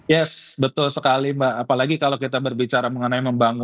yes betul sekali mbak apalagi kalau kita berbicara mengenai membangun